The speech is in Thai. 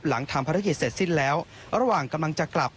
หลังทำภารกิจเสร็จสิ้นแล้วระหว่างกำลังจะกลับ